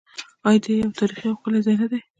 آیا دا یو تاریخي او ښکلی ځای نه دی؟